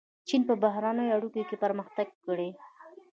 چین په بهرنیو اړیکو کې پرمختګ کړی.